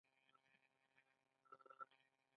ایا عطر زما پوستکي ته تاوان لري؟